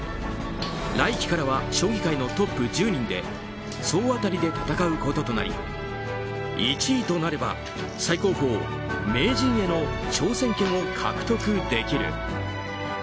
来期からは将棋界のトップ１０人で総当たりで戦うこととなり１位となれば最高峰名人への挑戦権を獲得できる。